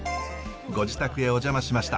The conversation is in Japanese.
ご自宅へお邪魔しました。